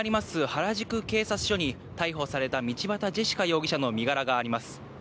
原宿警察署に、逮捕された道端ジェシカ容疑者の身柄があります。